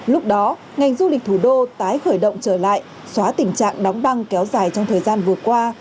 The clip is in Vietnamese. lúc đó ngành du lịch thủ đô tái khởi động trở lại xóa tình trạng đóng băng kéo dài trong thời gian vừa qua